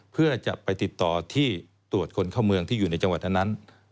เพื่อจะไปติดต่อที่ตรวจคนเข้าเมืองที่อยู่ในจังหวัดนั้น